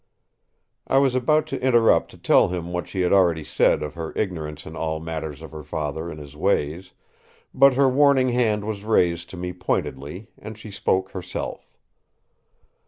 I was about to interrupt to tell him what she had already said of her ignorance in all matters of her father and his ways, but her warning hand was raised to me pointedly and she spoke herself.